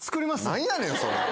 何やねんそれ。